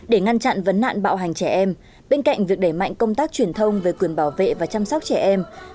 để ngăn chặn vấn nạn bạo hành trẻ em bên cạnh việc đẩy mạnh công tác truyền thông về quyền bảo vệ và chăm sóc trẻ em